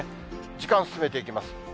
時間進めていきます。